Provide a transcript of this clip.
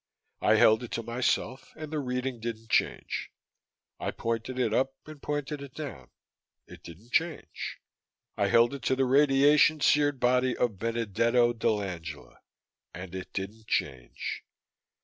I held it to myself and the reading didn't change. I pointed it up and pointed it down; it didn't change. I held it to the radiation seared body of Benedetto dell'Angela. And it didn't change.